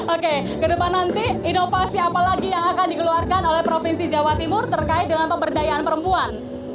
oke ke depan nanti inovasi apa lagi yang akan dikeluarkan oleh provinsi jawa timur terkait dengan pemberdayaan perempuan